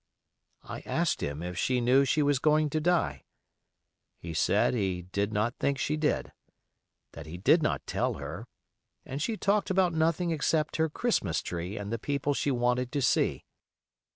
I asked him if she knew she was going to die. He said he did not think she did; that he did not tell her, and she talked about nothing except her Christmas tree and the people she wanted to see.